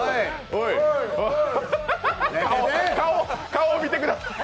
顔、顔、見てください。